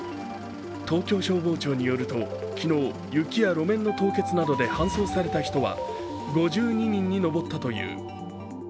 東京消防庁によると、昨日雪や路面の凍結などで搬送された人は５２人に上ったという。